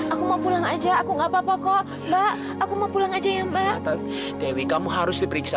aku mau pulang aja aku gak apa apa kok mbak aku mau pulang aja ya mbak dewi kamu harus diperiksa